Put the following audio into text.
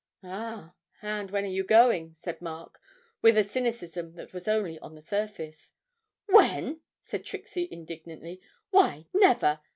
'Ah, and when are you going?' said Mark, with a cynicism that was only on the surface. 'When!' said Trixie indignantly, 'why, never.